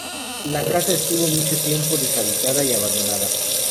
La casa estuvo mucho tiempo deshabitada y abandonada.